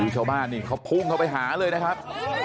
ชาวบ้านนี่เขาพุ่งเข้าไปหาเลยนะครับ